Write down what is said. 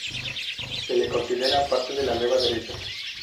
Se le considera parte de la Nueva Derecha.